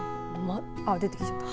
出てきちゃった。